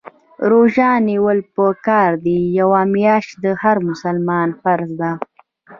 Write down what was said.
روژه نیول په کال کي یوه میاشت د هر مسلمان فریضه ده